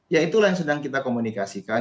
yaitu yang sedang kita komunikasikan